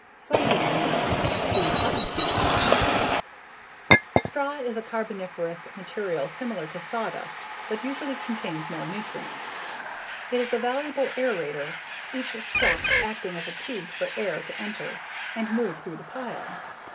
Soybean meal. See Cottonseed meal. Straw is a carboniferous material similar to sawdust but usually contains more nutrients. It is a valuable aerator, each stalk acting as a tube for air to enter and move through the pile.